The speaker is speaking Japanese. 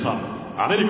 アメリカ。